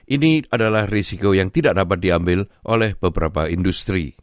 ini adalah risiko yang tidak dapat diambil oleh beberapa industri